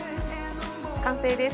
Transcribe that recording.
完成です。